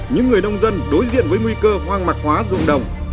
những người nông dân đối diện với nguy cơ hoang mạc hóa rụng đồng